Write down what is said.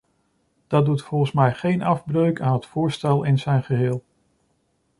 Dat doet volgens mij geen afbreuk aan het voorstel in zijn geheel.